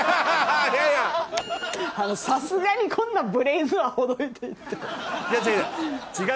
さすがにこんなブレイズはほどいて行って。